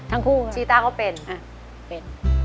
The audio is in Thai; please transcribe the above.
ทั้งคู่ไหมคะชีตาเขาเป็นทั้งคู่